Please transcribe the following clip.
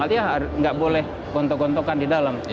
artinya nggak boleh gontok gontokan didalam